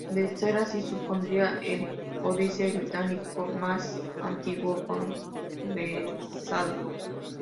De ser así supondría el códice británico más antiguo conservado.